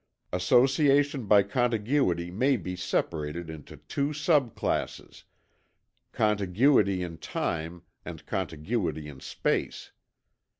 Association by contiguity may be separated into two sub classes contiguity in time; and contiguity in space.